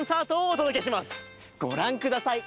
ごらんください